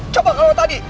coba kalau tadi